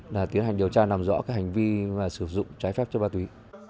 là tiến hành điều tra làm rõ hành vi sử dụng trái phép chất ma túy